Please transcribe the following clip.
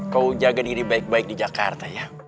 kau jaga diri baik baik di jakarta ya